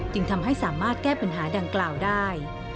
จึงทำให้สามารถแก้ปัญหาดังกล่าวได้